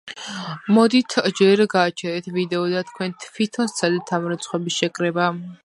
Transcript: მოდით, ჯერ გააჩერეთ ვიდეო და თქვენ თვითონ სცადეთ ამ რიცხვების შეკრება.